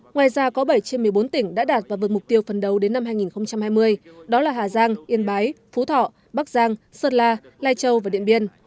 ngoài ra có bảy trên một mươi bốn tỉnh đã đạt và vượt mục tiêu phần đầu đến năm hai nghìn hai mươi đó là hà giang yên bái phú thọ bắc giang sơn la lai châu và điện biên